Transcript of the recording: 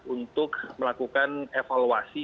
untuk melakukan evaluasi